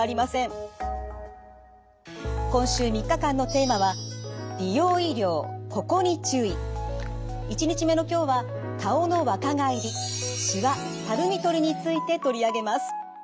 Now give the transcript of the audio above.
今週３日間のテーマは１日目の今日は顔の若返りしわ・たるみとりについて取り上げます。